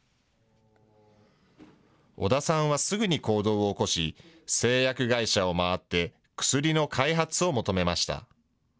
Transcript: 織田さんはすぐに行動を起こし、製薬会社を回って薬の開発を求めました。